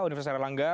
universitas air langga